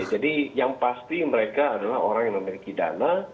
jadi yang pasti mereka adalah orang yang memiliki dana